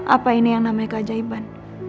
apa ini yang namanya keajaiban